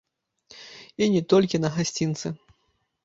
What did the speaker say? І не толькі на гасцінцы.